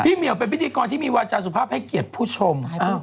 เหมือนพิธีกรที่มีวาจารย์สุภาพให้เกียรติผู้ชม